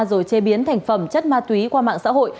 rồi chế biến thành phẩm chất ma túy qua mạng xã hội